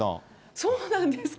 そうなんですか。